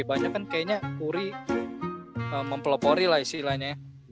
banyak kan kayaknya curry mempelopori lah istilahnya